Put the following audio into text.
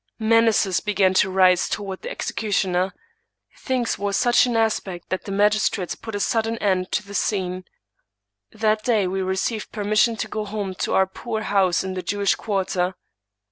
Menaces began to rise toward the execu tioner. Things wore such an aspect that the magistrates put a sudden end to the scene. " That day we received permission to go home to our poor house in the Jewish quarter.